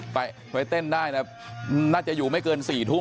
ไปเต้นได้นะน่าจะอยู่ไม่เกิน๔ทุ่ม